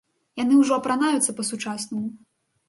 Яны ўжо апранаюцца па-сучаснаму.